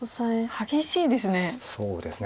激しいですね。